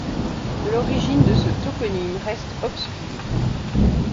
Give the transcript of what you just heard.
L'origine de ce toponyme reste obscur.